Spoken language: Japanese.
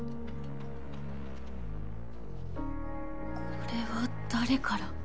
これは誰から！？